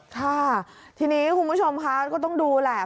ค่ะทีนี้คุณผู้ชมค่ะก็ต้องดูแหละ